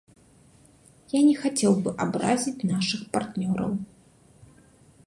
Я не хацеў бы абразіць нашых партнёраў.